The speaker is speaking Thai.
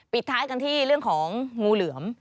ปิดท้ายกันที่เรื่องของงูเหลือม